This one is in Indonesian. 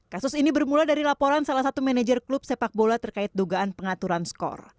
kasus ini bermula dari laporan salah satu manajer klub sepak bola terkait dugaan pengaturan skor